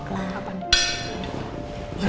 oh yang ini aja